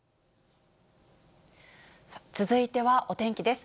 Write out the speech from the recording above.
続いてはお天気です。